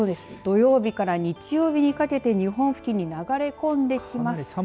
土曜日から日曜日にかけて日本付近に流れ込んできます。